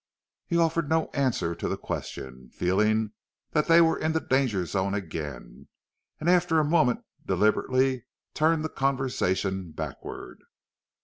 He offered no answer to the question, feeling that they were in the danger zone again; and after a moment deliberately turned the conversation backward.